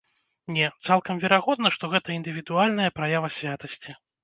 Не, цалкам верагодна, што гэта індывідуальная праява святасці.